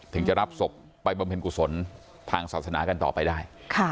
จะรับศพไปบำเพ็ญกุศลทางศาสนากันต่อไปได้